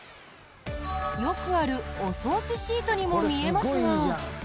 よくあるお掃除シートにも見えますが。